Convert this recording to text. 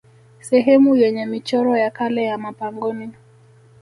Sehemu yenye michoro ya kale ya mapangoni